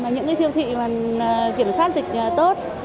những cái siêu thị kiểm soát dịch tốt